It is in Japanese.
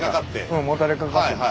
うんもたれかかって。